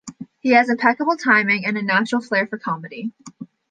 He has impeccable timing and a natural flair for comedy.